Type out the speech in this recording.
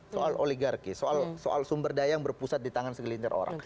soal oligarki soal sumber daya yang berpusat di tangan segelintir orang